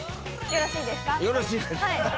よろしいです。